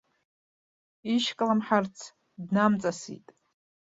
Ишькламҳарц днамҵасит.